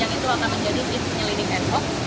yang itu akan menjadi tim penyelidik ad hoc